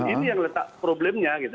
ini yang letak problemnya gitu